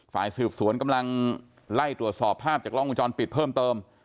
ฝ่ายสืบสวนกำลังไล่ตรวจสอบภาพจากกล้องวงจรปิดเพิ่มเติม